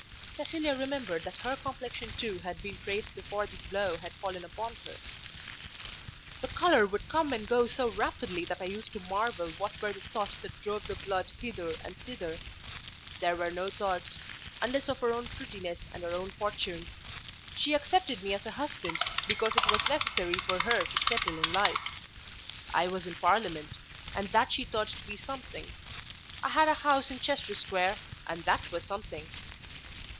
Cecilia remembered that her complexion too had been praised before this blow had fallen upon her. "The colour would come and go so rapidly that I used to marvel what were the thoughts that drove the blood hither and thither. There were no thoughts, unless of her own prettiness and her own fortunes. She accepted me as a husband because it was necessary for her to settle in life. I was in Parliament, and that she thought to be something. I had a house in Chester Square, and that was something.